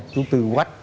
chú tư quách